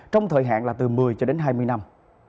trong thời hạn là từ một mươi cho đến hai mươi năm